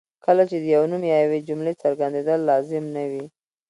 کله چې د یو نوم یا یوې جملې څرګندېدل لازم نه وي.